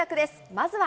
まずは。